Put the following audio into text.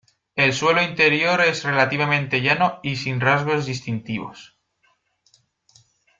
El suelo interior es relativamente llano y sin rasgos distintivos.